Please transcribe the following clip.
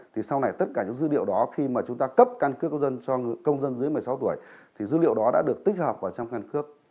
thì sau này tất cả những dữ liệu đó khi mà chúng ta cấp căn cước công dân cho công dân dưới một mươi sáu tuổi thì dữ liệu đó đã được tích hợp vào trong căn cước